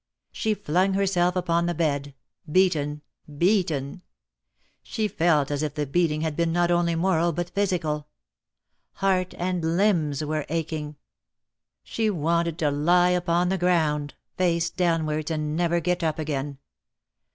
She flung herself upon the bed, beaten, beaten! She felt as if the beating had been not only moral but physical. Heart and limbs were aching. She 264 DEAD LOVE HAS CHAINS. wanted to lie upon the ground, face downwards, and never get up again.